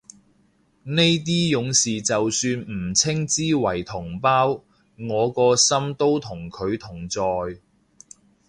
呢啲勇士就算唔稱之為同胞，我個心都同佢同在